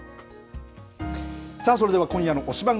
それでは今夜の推しバン！